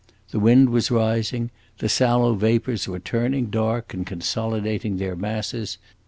The wind was rising; the sallow vapors were turning dark and consolidating their masses.